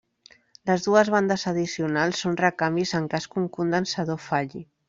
Les dues bandes addicionals són recanvis en cas que un condensador falli.